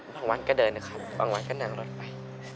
บางวันก็เดินค่ะบางวันก็นางรถไป